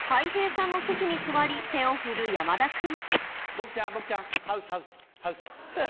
僕ちゃん僕ちゃんハウスハウスハウス。